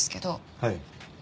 はい。